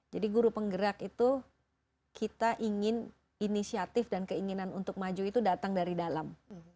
jadi guru penggerak itu kita ingin inisiatif dan keinginan untuk maju itu datang dari dalam